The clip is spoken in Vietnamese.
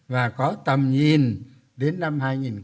và có tầm nhìn đến năm hai nghìn bốn mươi